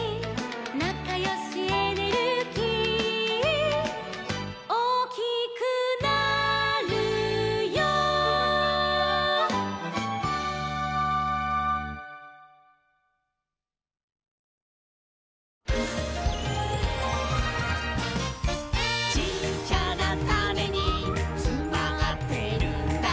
「なかよしエネルギー」「おおきくなるよ」「ちっちゃなタネにつまってるんだ」